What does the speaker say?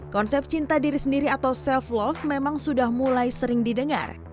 konsep cinta diri sendiri atau self love memang sudah mulai sering didengar